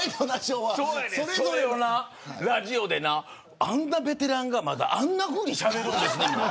それをラジオでなあんなベテランがまだ、あんなふうにしゃべるんですね。